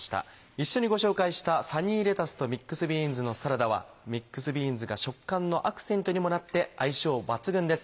一緒にご紹介した「サニーレタスとミックスビーンズのサラダ」はミックスビーンズが食感のアクセントにもなって相性抜群です。